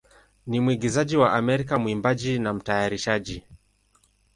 ni mwigizaji wa Amerika, mwimbaji, na mtayarishaji.